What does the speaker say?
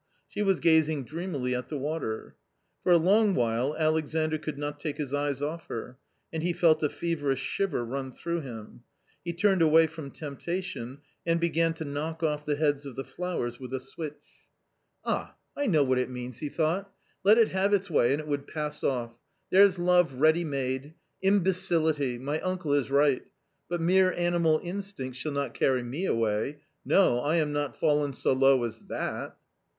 She was gazing dreamily at the water. For a long while Alexandr could not take his eyes off her, and he felt a feverish shiver run through him, He turned away from temptation and began to knock off the heads of the flowers with a switch. A COMMON STORY 209 " Ah ! I know what it means," he thought, " let it have its way and it would pass off ! There's love ready made !— imbecility ! My uncle is right. But mere animal instinct shall not carry me away — no, I am not fallen so low as that!"